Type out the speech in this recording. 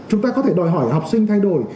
chúng ta có thể đòi hỏi học sinh thay đổi